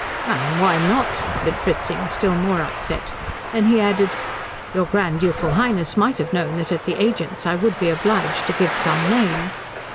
"Ma'am, why not?" said Fritzing, still more upset. Then he added, "Your Grand Ducal Highness might have known that at the agent's I would be obliged to give some name."